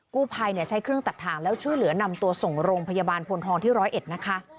กู้ภัยใช้เครื่องตัดทางแล้วช่วยเหลือนำตัวส่งโรงพยาบาลพลทองที่ร้อยเอ็ดนะคะ